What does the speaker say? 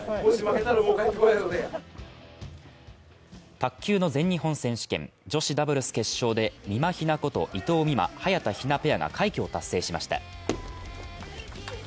卓球の全日本選手権、女子ダブルス決勝で、みまひなこと伊藤美誠・早田ひなペアが快挙を達成しました。